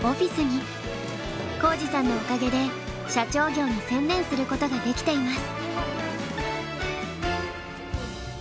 皓史さんのおかげで社長業に専念することができています。